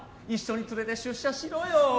一緒に連れて出社しろよ